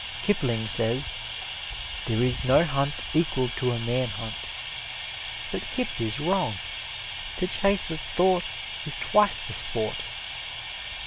Kipling says, "There is no hunt equal to a man hunt." But Kip is wrong to chase a thought is twice the sport.